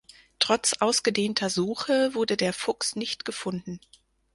Trotz ausgedehnter Suche wurde der Fuchs nicht gefunden.